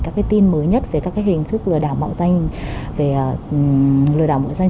các tin mới nhất về các hình thức lừa đảo mọi danh